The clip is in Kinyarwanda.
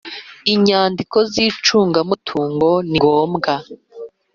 inyandiko z’icungamutungo ni ngombwa